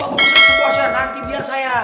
nanti bapak mau pesen suku osya nanti biar saya